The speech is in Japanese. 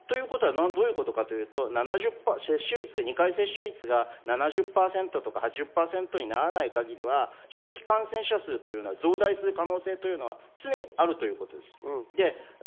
どういうことかというと、２回目の接種率が７０％、８０％にならない限りは新規感染者数は増大する可能性は常にあるということです。